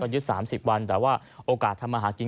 ยึด๓๐วันแต่ว่าโอกาสทำมาหากิน